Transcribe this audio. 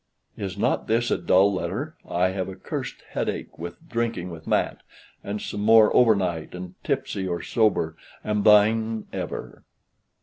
"Is not this a dull letter? I have a cursed headache with drinking with Mat and some more over night, and tipsy or sober am "Thine ever